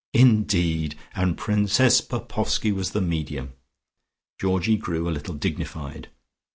"Indeed! And Princess Popoffski was the medium?" Georgie grew a little dignified.